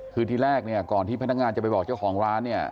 คือที่แรกก่อนที่พนักงานจะไปบอกเจ้าของร้าน